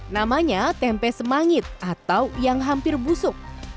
namanya tempe semangit atau yang hampir busuk